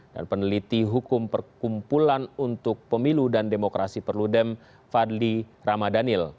dan peneliti hukum perkumpulan untuk pemilu dan demokrasi perludem fadli ramadanil